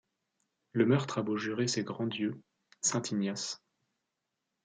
Le meurtre a beau jurer ses grands dieux, saint-Ignace